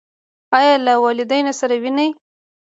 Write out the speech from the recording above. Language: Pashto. ایا له والدینو سره وینئ؟